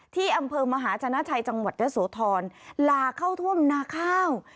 ที่อำเภอมหาชนะชัยจังหวัดยะโสธรหลากเข้าท่วมนาข้าว